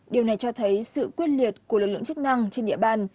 điều này cho thấy sự quyết liệt của lực lượng chức năng trên địa bàn